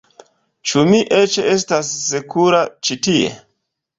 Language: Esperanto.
Ĉu mi eĉ estas sekura ĉi tie?